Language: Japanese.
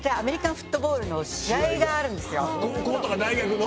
高校とか大学の？